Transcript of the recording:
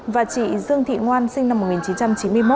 và chị dương thị ngoan sinh năm một nghìn chín trăm chín mươi một